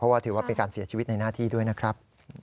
เพราะว่าถือว่าเป็นการเสียชีวิตในหน้าที่ด้วยนะครับ